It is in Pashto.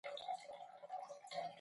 غوږونه د سکوت مزه پېژني